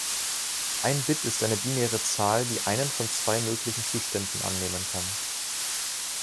Ein Bit ist eine binäre Zahl, die einen von zwei möglichen Zuständen annehmen kann.